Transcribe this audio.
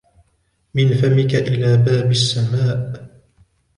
من فمك إلى باب السماء!